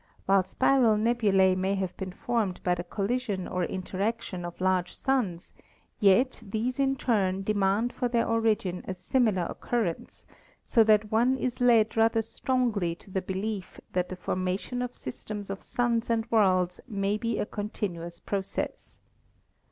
While spiral nebulae may have been formed by the collision or interaction of large suns, yet these in turn demand for their origin a similar occurrence, so that one is led rather strongly to the belief that the formation of systems of suns and worlds may be a continuous process.